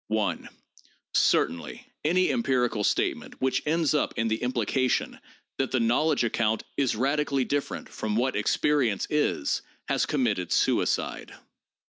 Certainly any empirical statement which ends up in the impli cation that the knowledge account is radically different 'from what experience is' has committed suicide.